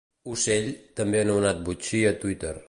Ocell, també anomenat botxí, al Twitter.